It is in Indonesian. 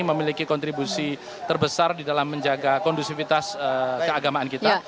memiliki kontribusi terbesar di dalam menjaga kondusivitas keagamaan kita